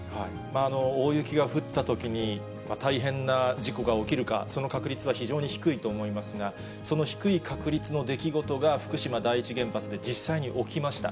大雪が降ったときに、大変な事故が起きるか、その確率は非常に低いと思いますが、その低い確率の出来事が、福島第一原発で実際に起きました。